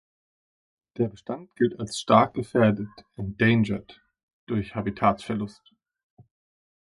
Der Bestand gilt als stark gefährdet ("Endangered") durch Habitatverlust.